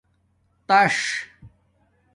تاتس